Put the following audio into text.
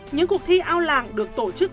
những cuộc thi ao làng được tổ chức